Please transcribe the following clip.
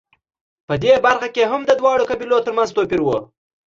په دې برخه کې هم د دواړو قبیلو ترمنځ توپیر و